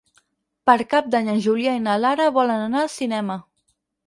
Per Cap d'Any en Julià i na Lara volen anar al cinema.